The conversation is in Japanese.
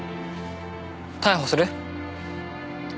逮捕する？